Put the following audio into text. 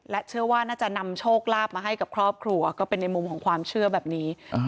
เชื่อว่าน่าจะนำโชคลาภมาให้กับครอบครัวก็เป็นในมุมของความเชื่อแบบนี้